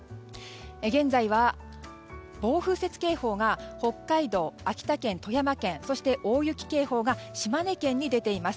現在は、暴風雪警報が北海道、秋田県、富山県そして大雪警報が島根県に出ています。